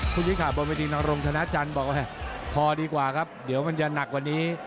คุณภิกษาบริษฐีนังโรงธนาจันทร์บอกว่าพอดีกว่าครับเดี๋ยวมันจะหนักกว่านี้